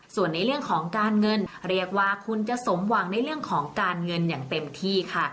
ส่วนในเรื่องของการเงินเรียกว่าคุณจะสมหวังในเรื่องของการเงินอย่างเต็มที่ค่ะ